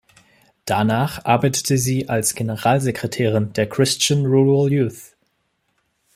Danach arbeitete sie als Generalsekretärin der "Christian Rural Youth".